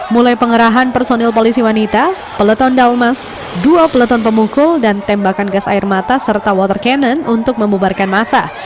mulai pengerahan personil polisi wanita peleton dalmas dua peleton pemukul dan tembakan gas air mata serta water cannon untuk membubarkan masa